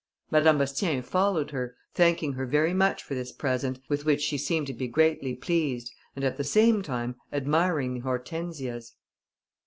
Madame Bastien followed her, thanking her very much for this present, with which she seemed to be greatly pleased, and at the same time admiring the hortensias.